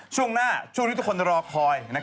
ช่วงหน้าช่วงที่ทุกคนจะรอคอยนะครับ